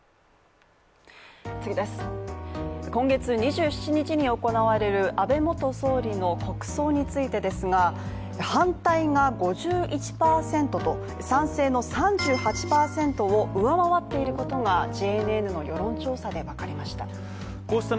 今月２７日に行われる安倍元総理の国葬についてですが反対が５１％と、賛成の３８％を上回っていることがＪＮＮの世論調査で分かりました。